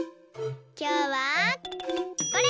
きょうはこれ！